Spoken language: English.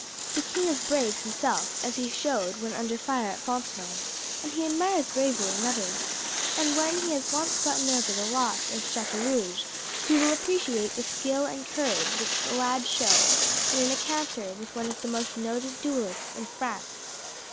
The king is brave himself, as he showed when under fire at Fontenoy, and he admires bravery in others, and when he has once got over the loss of Chateaurouge he will appreciate the skill and courage which the lad showed in an encounter with one of the most noted duellists in France.